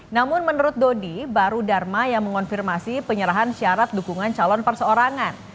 namun menurut dodi baru dharma yang mengonfirmasi penyerahan syarat dukungan calon perseorangan